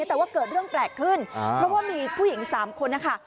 แต่ว่าเกิดเรื่องแปลกขึ้นเพราะว่ามีผู้หญิง๓คนนะคะ